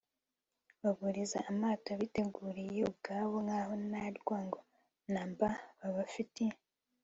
baburiza amato biteguriye ubwabo, nk'aho nta rwango na mba babafitiye